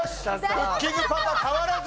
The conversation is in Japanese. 『クッキングパパ』変わらず！